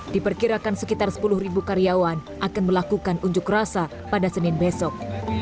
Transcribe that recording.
diperkirakan sekitar sepuluh karyawan akan melakukan unjuk rasa pada senin besok